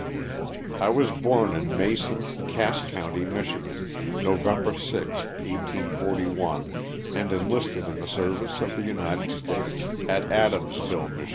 T WAS born in Mason, Cass county, Mich., November * 6, 1841, and enlisted in the service of the United States at Adamsville, Mich.